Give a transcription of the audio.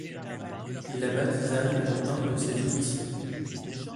Il la baptisa du nom d'un de ses officiers.